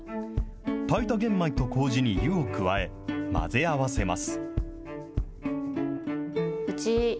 炊いた玄米とこうじに湯を加え、混ぜ合わせます。